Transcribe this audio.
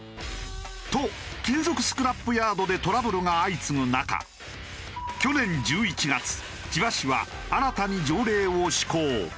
と金属スクラップヤードでトラブルが相次ぐ中去年１１月千葉市は新たに条例を施行。